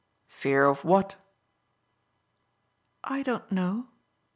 "Fear of what?" "I don't know.